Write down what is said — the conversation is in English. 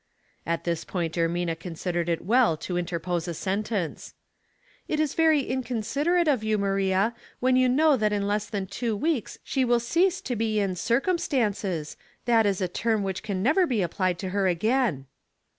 At this point Ermina considered it well to in terpose a sentence. '' It is very inconsiderate of you, Maria, when you know that in less than two weeks she will cease to be in circumstances — that is a term which can never be applied to her again."